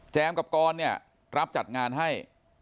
กับกรเนี่ยรับจัดงานให้